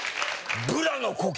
ブラの呼吸！